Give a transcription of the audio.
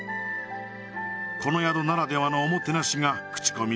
この宿ならではのおもてなしが口コミで広がり